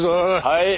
はい！